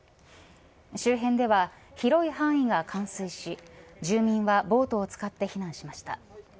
周辺では広い範囲が冠水し住民はボートを使って避難しました。